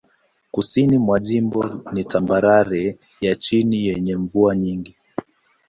Kusini mwa jimbo ni tambarare ya chini yenye mvua nyingi.